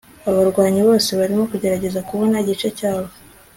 abanywanyi bose barimo kugerageza kubona igice cyabo